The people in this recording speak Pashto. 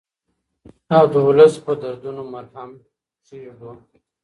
او د ولس په دردونو مرهم کېږدو.